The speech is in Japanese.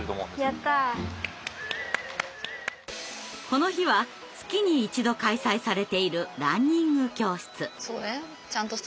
この日は月に一度開催されているランニング教室。